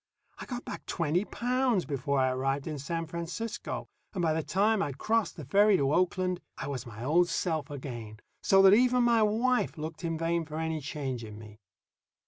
I got back twenty pounds before I arrived in San Francisco, and by the time I'd crossed the ferry to Oakland I was my old self again, so that even my wife looked in vain for any change in me.